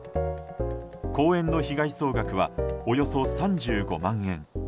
公園の被害総額はおよそ３５万円。